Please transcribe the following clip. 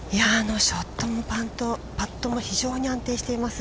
◆ショットもパットも非常に安定しています。